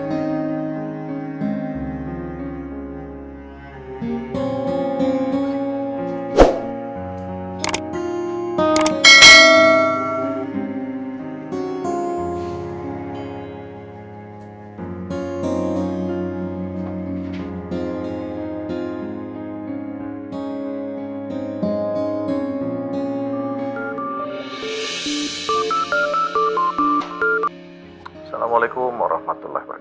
assalamualaikum warahmatullahi wabarakatuh